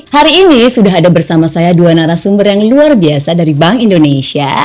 hari ini sudah ada bersama saya dua narasumber yang luar biasa dari bank indonesia